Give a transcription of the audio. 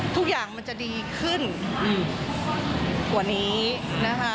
ทุกอย่างมันจะดีขึ้นกว่านี้นะคะ